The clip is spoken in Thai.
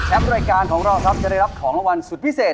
รายการของเราครับจะได้รับของรางวัลสุดพิเศษ